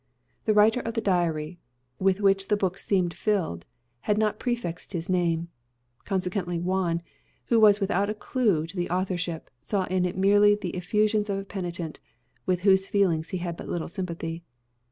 The writer of the diary with which the book seemed filled had not prefixed his name. Consequently Juan, who was without a clue to the authorship, saw in it merely the effusions of a penitent, with whose feelings he had but little sympathy.